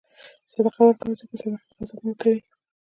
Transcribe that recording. صدقه ورکوه، ځکه صدقه غضب مړه کوي.